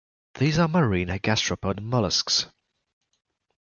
These are marine gastropod mollusks.